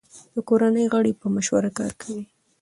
د کورنۍ غړي په مشوره کار کوي.